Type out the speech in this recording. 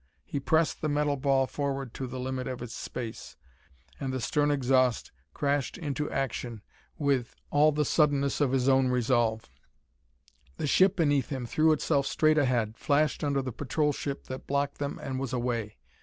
He pressed the metal ball forward to the limit of its space, and the stern exhaust crashed into action with all the suddenness of his own resolve. The ship beneath him threw itself straight ahead, flashed under the patrol ship that blocked them, and was away.